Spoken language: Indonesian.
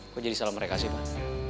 kok jadi salah mereka sih mas